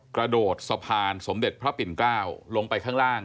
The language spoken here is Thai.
กระโดดสะพานสมเด็จพระปิ่นเกล้าลงไปข้างล่าง